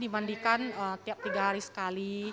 dimanjikan dimanjikan tiap tiga hari sekali